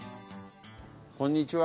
こんにちは。